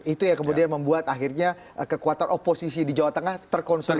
itu yang kemudian membuat akhirnya kekuatan oposisi di jawa tengah terkonsolidasi